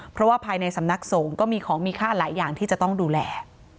เพราะว่าภายในสำนักสงฆ์ก็มีของมีค่าหลายอย่างที่จะต้องดูแล